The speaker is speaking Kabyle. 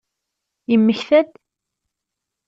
Yemmekta-d?